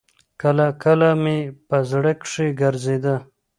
کله کله مې په زړه کښې ګرځېده.